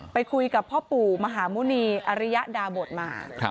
ไปคุยกับพ่อปู่มหาหมุณีอริยดาบทมา